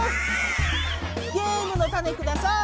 ゲームのタネください！